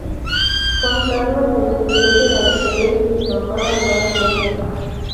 Juan Carlos se enfurece al creer que su amada lo ha engañado.